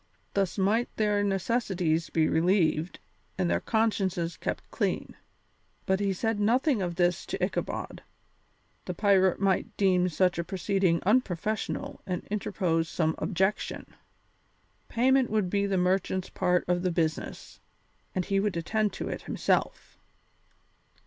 Thus might their necessities be relieved and their consciences kept clean. But he said nothing of this to Ichabod; the pirate might deem such a proceeding unprofessional and interpose some objection. Payment would be the merchant's part of the business, and he would attend to it himself.